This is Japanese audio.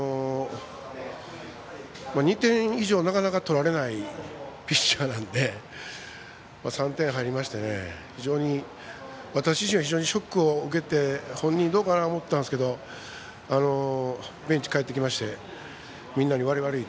２点以上、なかなか取られないピッチャーなので３点入りまして非常に私自身ショックを受けて本人、どうかなと思ったんですがベンチに帰ってきましてみんなに悪い、悪い。